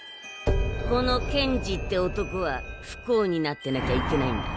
この健司って男は不幸になってなきゃいけないんだ。